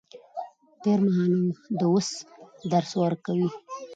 تېر مهال د اوس درس ورکوي.